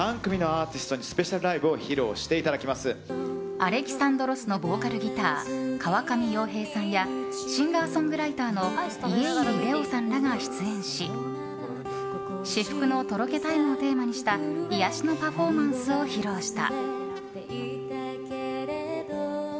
［Ａｌｅｘａｎｄｒｏｓ］のボーカル・ギター川上洋平さんやシンガーソングライターの家入レオさんらが出演し至福のとろけタイムをテーマにした癒やしのパフォーマンスを披露した。